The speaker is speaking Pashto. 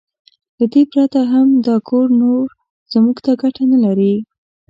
له دې پرته هم دا کور نور موږ ته ګټه نه لري.